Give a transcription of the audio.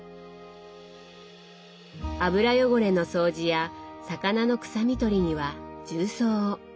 油汚れの掃除や魚の臭み取りには重曹を。